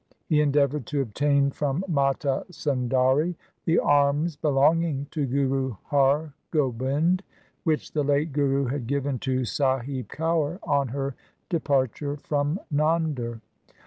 He endeavoured to obtain from Mata Sundari the arms belonging to Guru Har Gobind, which the late Guru had given to Sahib Kaur on her departure from Nander.